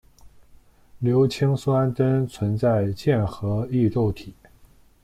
硫氰酸根存在键合异构体。